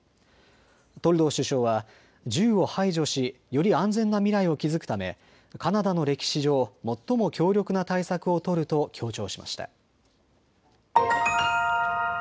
トルドー首相は銃を排除しより安全な未来を築くためカナダの歴史上、最も強力な対策を取ると強調しました。